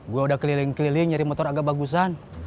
gua udah keliling keliling nyei motor agak bagusan